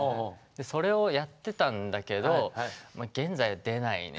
それをやってたんだけど現在出ないね。